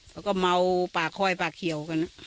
เขาก็เมาปากคอยปากเขียวกัน